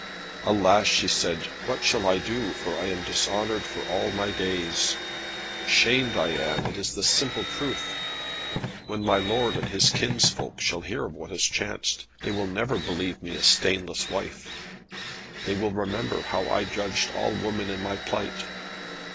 "Alas," she said, "what shall I do, for I am dishonoured for all my days. Shamed I am, it is the simple truth. When my lord and his kinsfolk shall hear of what has chanced, they will never believe me a stainless wife. They will remember how I judged all women in my plight.